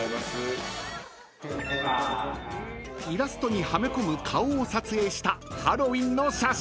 ［イラストにはめ込む顔を撮影したハロウィンの写真］